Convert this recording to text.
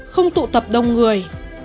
không tụ tập đông người